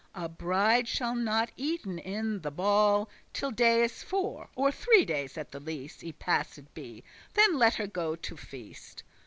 A bride shall not eaten in the ball Till dayes four, or three days at the least, Y passed be; then let her go to feast.